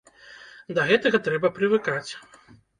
Да гэтага трэба прывыкаць.